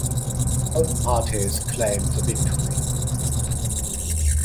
Both parties claimed the victory.